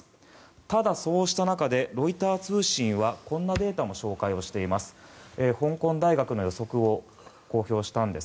ただ、そうした中でロイター通信はこんなデータも紹介しています。